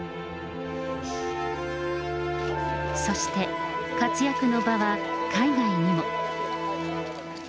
そして、活躍の場は海外にも。